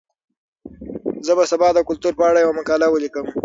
زه به سبا د کلتور په اړه یوه مقاله ولیکم.